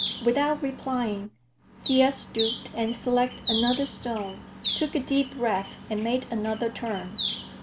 Without replying, Thea stooped and selected another stone, took a deep breath and made another turn.